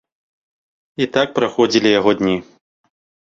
І так праходзілі яго дні.